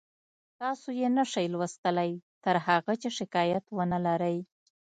تاسو یې نشئ لوستلی تر هغه چې شکایت ونلرئ